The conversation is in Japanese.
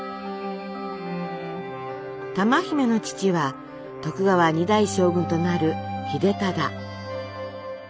珠姫の父は徳川２代将軍となる秀忠。